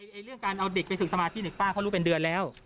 เรื่องการเอาเด็กไปฝึกสมาธิเนี่ยป้าเขารู้เป็นเดือนแล้ว